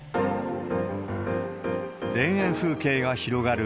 田園風景が広がる